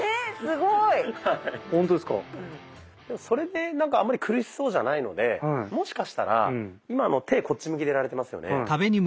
それであんまり苦しそうじゃないのでもしかしたら今の手こっち向きでやられてますよね。